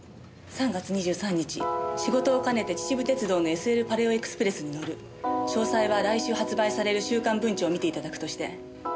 「３月２３日仕事を兼ねて秩父鉄道のＳＬパレオエクスプレスに乗る」「詳細は来週発売される週刊文潮を見ていただくとして」